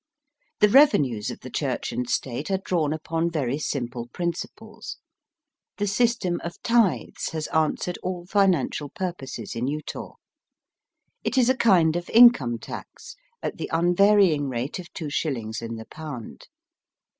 The revenues of the Church and State are drawn upon very simple principles. The system of tithes has answered all financial purposes in Utah. It is a kind of income tax at the unvarying rate of two shillings in the pound.